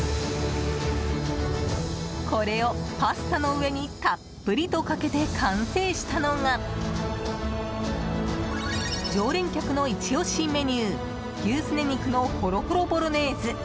これをパスタの上にたっぷりとかけて完成したのが常連客のイチ押しメニュー牛スネ肉のホロホロボロネーズ。